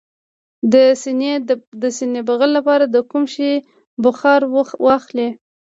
د سینې د بغل لپاره د کوم شي بخار واخلئ؟